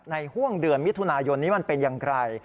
ห่วงเดือนมิถุนายนนี้มันเป็นอย่างไร